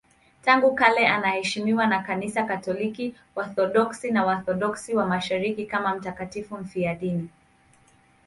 Tangu kale anaheshimiwa na Kanisa Katoliki, Waorthodoksi na Waorthodoksi wa Mashariki kama mtakatifu mfiadini.